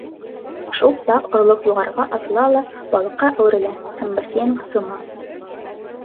Шул саҡ орлоҡ юғарыға атыла ла балыҡҡа әүерелә һәм бассейнға сума.